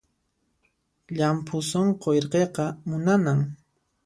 Llampu sunqu irqiqa munanan